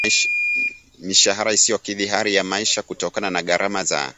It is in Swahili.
mishahara isiyokidhi hali ya maisha kutokana na gharama za